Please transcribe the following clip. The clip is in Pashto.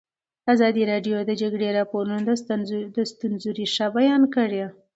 ازادي راډیو د د جګړې راپورونه د ستونزو رېښه بیان کړې.